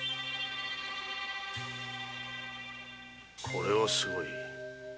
これはすごい。